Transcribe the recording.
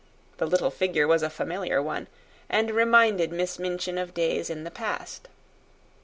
The little figure was a familiar one, and reminded Miss Minchin of days in the past.